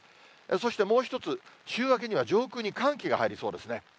そしてもう一つ、週明けには上空に寒気が入りそうですね。